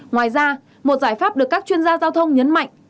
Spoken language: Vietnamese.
ngoài ra một giải pháp được các chuyên gia giao thông nhấn mạnh